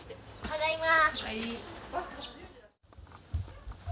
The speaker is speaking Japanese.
ただいま。